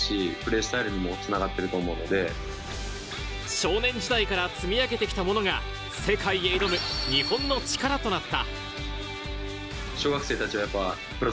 少年時代から積み上げてきたものが、世界へ挑む日本の力となった。